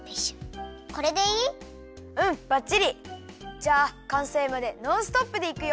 じゃあかんせいまでノンストップでいくよ！